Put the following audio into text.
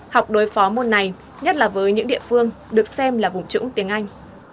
học đối phó môn này nhất là với những địa phương được xem là vùng trũng tiếng anh